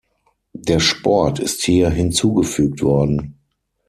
Der Sport ist hier hinzugefügt worden.